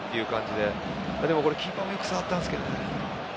でもキーパーも触ったんですけどね。